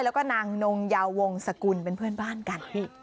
แล้วก็นางนงยาวงศกุลเป็นเพื่อนบ้านกันพี่